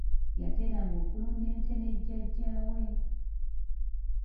Yateranga okulunda ente ne jjajja we.